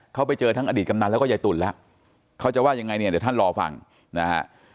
เขาไปเจอทั้งอดีตกำนันแล้วก็ยายตุ๋นแล้วเขาจะว่ายังไงเนี่ยเดี๋ยวท่านรอฟังนะฮะ